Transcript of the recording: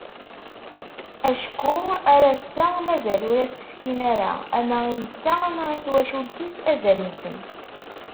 Acku ar ass-a mazal ur as-fkin ara, ama i netta ama i twacult-is, azal-nsen.